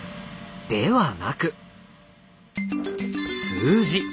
ではなく数字。